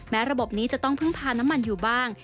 ระบบนี้จะต้องพึ่งพาน้ำมันอยู่บ้าง